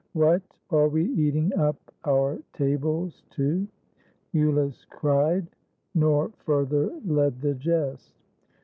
245 ROME "What! are we eating up our tables too ?" lulus cried, nor further led the jest.